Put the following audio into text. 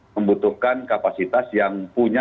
membutuhkan kapasitas yang punya